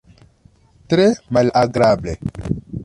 Tre malagrable.